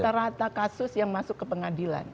rata rata kasus yang masuk ke pengadilan